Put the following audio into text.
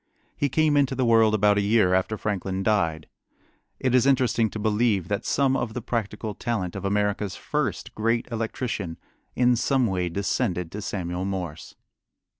He came into the world about a year after Franklin died. It is interesting to believe that some of the practical talent of America's first great electrician in some way descended to Samuel Morse.